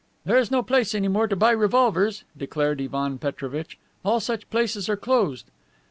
"There's no place any more to buy revolvers," declared Ivan Petrovitch. "All such places are closed."